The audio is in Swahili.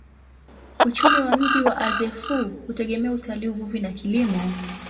Uchumi wa mji wa Azeffou hutegemea utalii, uvuvi na kilimo.